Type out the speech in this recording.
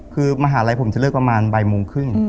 คือมหาลัยผมจะเลิกประมาณบ่ายโมงครึ่ง